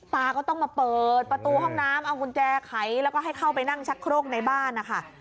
ตาก็ต้องมาเปิดประตูห้องน้ำเอากุญแจไขแล้วก็ให้เข้าไปนั่งชักโครกในบ้านนะคะ